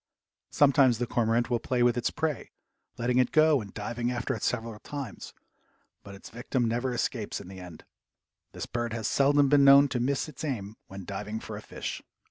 Sometimes the cormorant will play with its prey, letting it go and diving after it several times, but its victim never escapes in the end. This bird has seldom been known to miss its aim when diving for a fish.